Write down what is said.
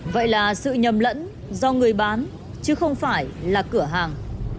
vậy là sự nhầm lẫn do người bán chứ không phải là cửa hàng